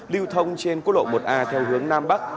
lưu thông trên quốc lộ một a theo hướng nam bắc